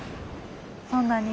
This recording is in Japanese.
そんなに？